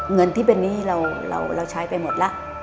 เงินที่เป็นหนี้เราใช้ไปหมดแล้ว